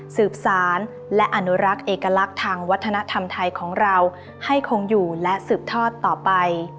สืบสารและอนุรักษ์เอกลักษณ์ทางวัฒนธรรมไทยของเราให้คงอยู่และสืบทอดต่อไป